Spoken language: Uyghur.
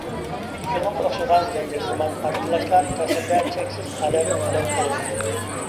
شۇنىڭغا ئوخشىغان زەنجىرسىمان پارتلاشلار تەسىرىدە چەكسىز ئالەم ھالاك بولىدۇ.